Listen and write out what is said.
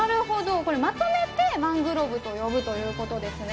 まとめてマングローブと呼ぶということですね。